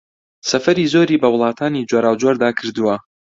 سەفەری زۆری بە وڵاتانی جۆراوجۆردا کردووە